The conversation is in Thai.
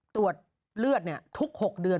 ตรวจเลือดเนี่ยทุก๖เดือน